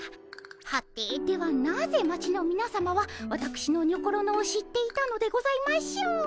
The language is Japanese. はてではなぜ町のみなさまはわたくしのにょころのを知っていたのでございましょう？